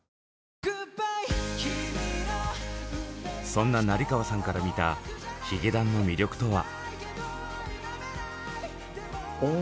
そんな成河さんから見たヒゲダンの魅力とは。